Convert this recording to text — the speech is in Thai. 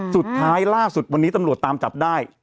ล่าสุดวันนี้ตำรวจตามจับได้